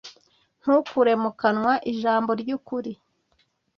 ntunkure mu kanwa ijambo ry'ukuri